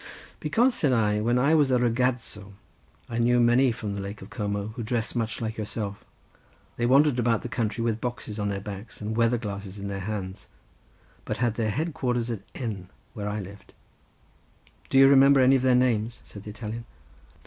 "Because," said I, "when I was a ragazzo I knew many from the Lake of Como, who dressed much like yourself. They wandered about the country with boxes on their backs and weather glasses in their hands, but had their head quarters at N. where I lived." "Do you remember any of their names?" said the Italian.